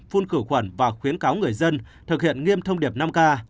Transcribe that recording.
phun cử quẩn và khuyến cáo người dân thực hiện nghiêm thông điệp năm k